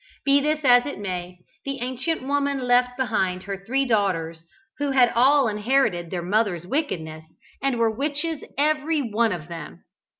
Be this as it may, the ancient woman left behind her three daughters, who had all inherited their mother's wickedness, and were witches every one of them.